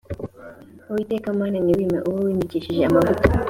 uwiteka mana, ntiwime uwo wimikishije amavuta;